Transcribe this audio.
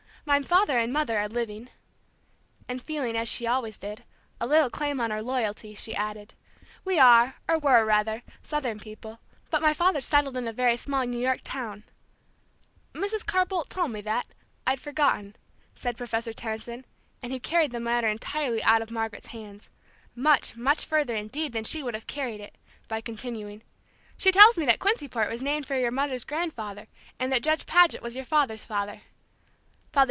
My father and mother are living"; and feeling, as she always did, a little claim on her loyalty, she added: "We are, or were, rather, Southern people, but my father settled in a very small New York town " "Mrs. Carr Bolt told me that I'd forgotten " said Professor Tenison, and he carried the matter entirely out of Margaret's hands, much, much further indeed than she would have carried it, by continuing, "She tells me that Quincyport was named for your mother's grandfather, and that Judge Paget was your father's father."